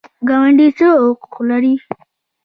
ګاونډي څه حقوق لري؟